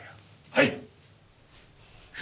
はい。